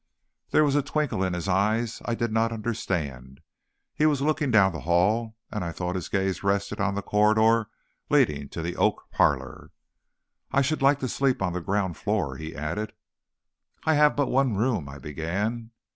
There was a twinkle in his eyes I did not understand. He was looking down the hall, and I thought his gaze rested on the corridor leading to the oak parlor. "I should like to sleep on the ground floor," he added. "I have but one room," I began.